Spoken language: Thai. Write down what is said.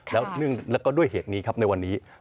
แล้วก็ด้วยเหตุนี้ครับในวันนี้